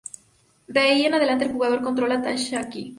De ahí en adelante el jugador controla a Takahashi.